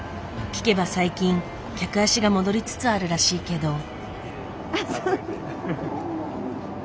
聞けば最近客足が戻りつつあるらしいけど。